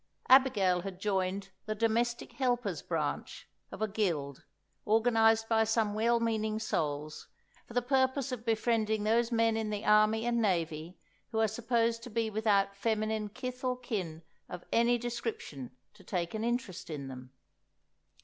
Abigail had joined "The Domestic Helpers' Branch" of a Guild, organised by some well meaning souls, for the purpose of befriending those men in the Army and Navy who are supposed to be without feminine kith or kin of any description to take an interest in them.